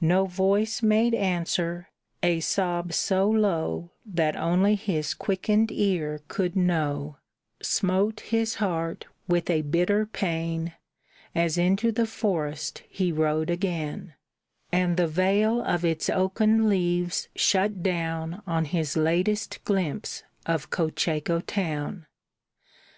No voice made answer: a sob so low That only his quickened ear could know Smote his heart with a bitter pain, As into the forest he rode again, And the veil of its oaken leaves shut down On his latest glimpse of Cocheco town.